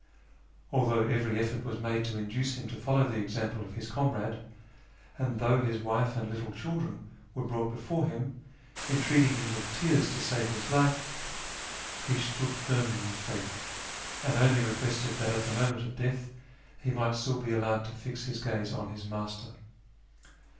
Although every effort was made to FROM THE PERSIAN FRONTIER TO TABRIZ 63 induce him to follow the example of his comrade, and though his wife and little children were brought before him, entreat ing him with tears to save his life, he stood firm in his faith, and only requested that at the moment of death he might still be allowed to fix his gaze on his Master.